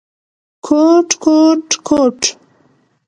کوټ، کوټ ، کوټ ….